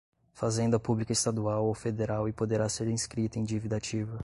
Fazenda Pública estadual ou federal e poderá ser inscrita em dívida ativa